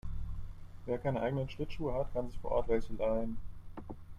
Wer keine eigenen Schlittschuhe hat, kann sich vor Ort welche leihen.